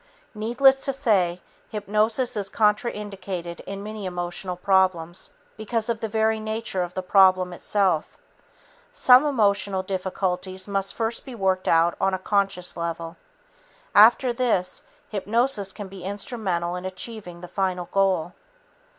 Needless to say, hypnosis is contraindicated in many emotional problems because of the very nature of the problem itself. Some emotional difficulties must first be worked out on a conscious level. After this, hypnosis can be instrumental in achieving the final goal.